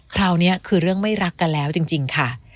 คราวนี้คือเรื่องไม่รักกันแล้วจริงค่ะ